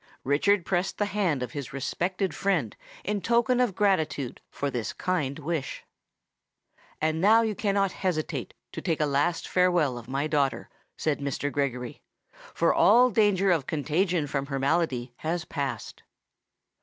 Richard pressed the hand of his respected friend in token of gratitude for this kind wish. "And now you cannot hesitate to take a last farewell of my daughter," said Mr. Gregory; "for all danger of contagion from her malady has passed."